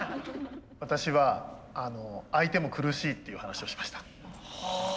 私は相手も苦しいっていう話をしました。